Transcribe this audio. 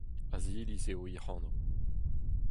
Aziliz eo he anv.